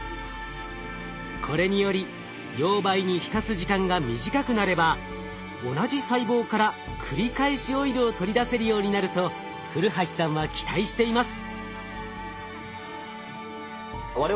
これにより溶媒に浸す時間が短くなれば同じ細胞から繰り返しオイルを取り出せるようになると古橋さんは期待しています。